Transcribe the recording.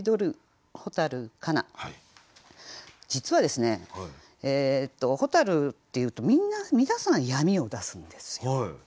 実はですね「蛍」っていうと皆さん「闇」を出すんですよ。